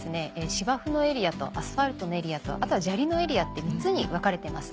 芝生のエリアとアスファルトのエリアとあとは砂利のエリアって３つに分かれています。